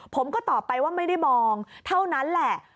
ผมก็ตอบไปว่าไม่ได้มองเท่านั้นแหละ